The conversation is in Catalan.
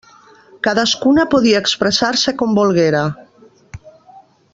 Cadascuna podia expressar-se com volguera.